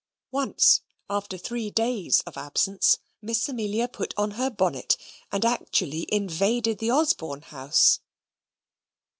Once, after three days of absence, Miss Amelia put on her bonnet, and actually invaded the Osborne house.